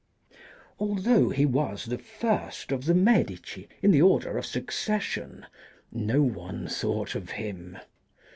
Although he was the first of the Medici in the order of succession, no one thought of him.